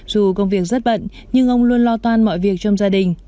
dù công việc rất bận nhưng ông luôn lo toan mọi việc trong gia đình